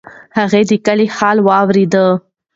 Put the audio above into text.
هغه د کلي حال واورېد.